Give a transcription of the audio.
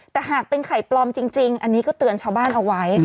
แต่หากเป็นไข่ปลอมจริงอันนี้ก็เตือนชาวบ้านเอาไว้